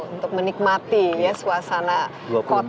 untuk menikmati suasana kota